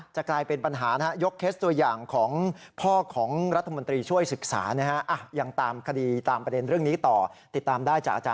กลายเป็นปัญหานะฮะยกเคสตัวอย่างของพ่อของรัฐมนตรีช่วยศึกษานะฮะ